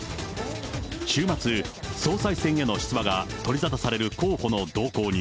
週末、総裁選への出馬が取り沙汰される候補の動向に、